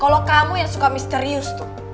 kalau kamu yang suka misterius tuh